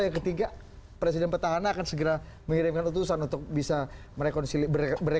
yang ketiga presiden petahana akan segera mengirimkan utusan untuk bisa berrekonsiliasi dengan prabowo subianto